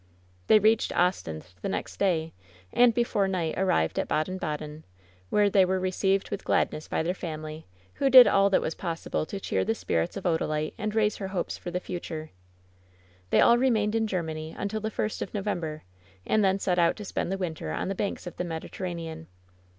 They reached Ostend the next day, and before night arrived at Baden Baden, where they were received with gladness by their family, who did all that was possible to cheer the spirits of Odalite and raise her hopes for the future. They all remained in Germany until the first of No vember, and then set out to spend the winter on the banks of the Mediterranean.